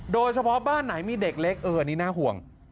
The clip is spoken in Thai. โดยเฉพาะบ้านไหนมีเด็กเล็กเอออันนี้น่าห่วง